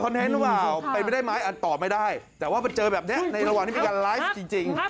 เน้นหรือเปล่าเป็นไปได้ไหมอันตอบไม่ได้แต่ว่ามันเจอแบบนี้ในระหว่างที่มีการไลฟ์จริง